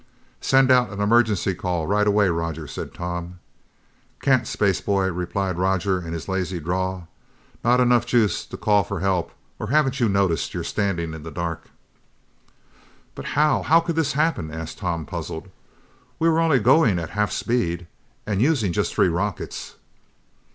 "Send out an emergency call right away, Roger," said Tom. "Can't, spaceboy," replied Roger in his lazy drawl. "Not enough juice to call for help. Or haven't you noticed you're standing in the dark?" "But how how could this happen?" asked Tom, puzzled. "We were only going at half speed and using just three rockets!"